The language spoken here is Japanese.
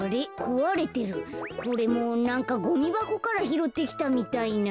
これもなんかゴミばこからひろってきたみたいな。